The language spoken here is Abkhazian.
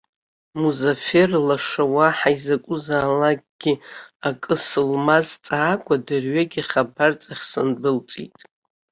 Музафер лаша уаҳа изакәызаалак акы сылмазҵаакәа, дырҩегьых абарҵахь сындәылҵит.